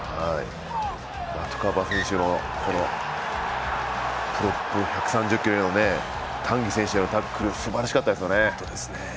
マトゥカバ選手のプロップ１３０ｋｇのタンギ選手のタックルすばらしかったですね。